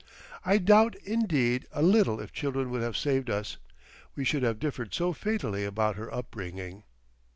I doubt indeed a little if children would have saved us; we should have differed so fatally about their upbringing.